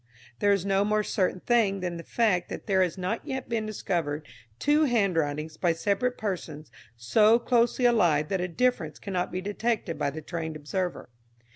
There is no more certain thing than the fact that there has not yet been discovered two handwritings by separate persons so closely allied that a difference cannot be detected by the trained observer.